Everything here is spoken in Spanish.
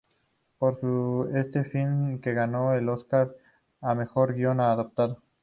Por sus este film que ganó el Oscar a Mejor Guion Adaptado.